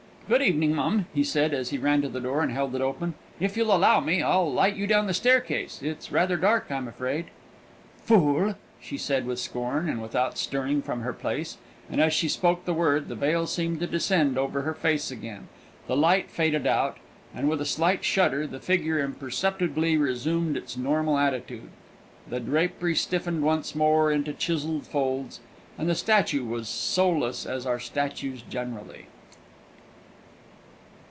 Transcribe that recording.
"Good evening, mum," he said, as he ran to the door and held it open. "If you'll allow me, I'll light you down the staircase it's rather dark, I'm afraid." "Fool!,'" she said with scorn, and without stirring from her place; and, as she spoke the word, the veil seemed to descend over her face again, the light faded out, and, with a slight shudder, the figure imperceptibly resumed its normal attitude, the drapery stiffened once more into chiselled folds, and the statue was soulless as are statues generally.